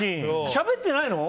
しゃべってないの？